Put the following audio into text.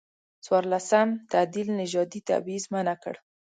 څورلسم تعدیل نژادي تبعیض منع کړ.